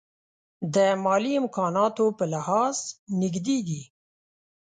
د مالي امکاناتو په لحاظ نژدې دي.